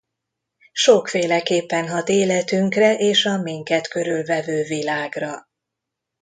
Sokféleképpen hat életünkre és a minket körülvevő világra.